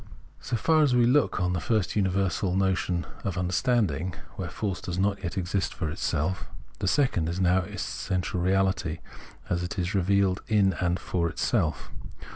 So far as we look on the first universal as the notion of understanding, where force does not yet exist for itself, the second is now its essential reahty, as it is revealed in and for itself.